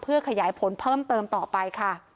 เพื่อขยายผลเพิ่มเติมต่อไป